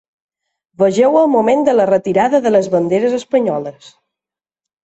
Vegeu el moment de la retirada de les banderes espanyoles.